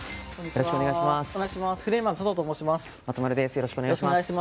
よろしくお願いします。